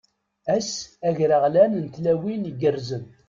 Ass agreɣlan n tlawin igerrzen!